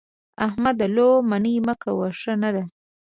احمده! لو منې مه کوه؛ ښه نه ده.